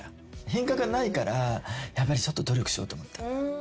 品格がないからやっぱり努力しようと思って。